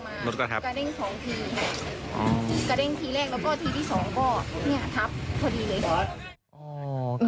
กระเด้งทีแรกแล้วก็ทีที่สองก็เนี่ยทับพอดีเลยค่ะ